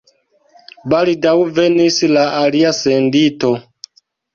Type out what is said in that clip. Baldaŭ venis la alia sendito.